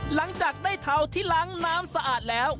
หลังจากได้เทาที่ล้างน้ำสะอาดแล้ว